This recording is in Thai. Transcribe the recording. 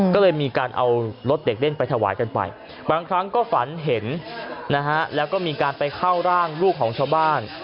ก็เลยมีการเอารถเด็กเล่นไปถวายกันไปบางครั้งก็ฝันเห็นนะฮะแล้วก็มีการไปเข้าร่างลูกของชาวบ้าน